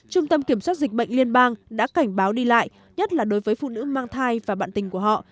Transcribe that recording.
trung tâm kiểm soát dịch bệnh liên bang đã cảnh báo đi lại nhất là đối với phụ nữ mang thai và bạn tình của họ